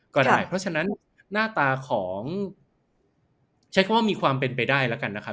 ก็ได้เพราะฉะนั้นหน้าตาของใช้คำว่ามีความเป็นไปได้แล้วกันนะครับ